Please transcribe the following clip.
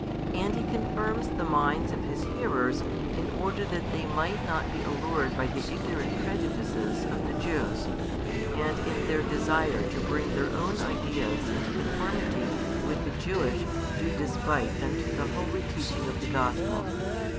And He confirms the minds of His hearers in order that they might not be allured by the ignorant prejudices of the Jews, and in their desire to bring their own ideas into conformity with the Jewish do despite unto the holy teaching of the Gospel.